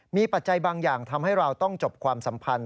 มีปัจจัยบางอย่างทำให้เราต้องจบความสัมพันธ